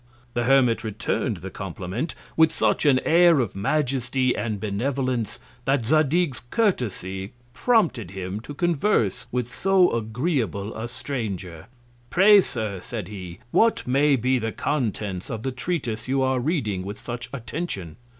The Hermit return'd the Compliment with such an Air of Majesty and Benevolence, that Zadig's Curiosity prompted him to converse with so agreeable a Stranger. Pray, Sir, said he, what may be the Contents of the Treatise you are reading with such Attention.